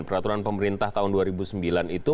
peraturan pemerintah tahun dua ribu sembilan itu